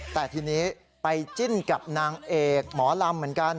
แต่ทีนี้ไปจิ้นกับนางเอกหมอลำเหมือนกัน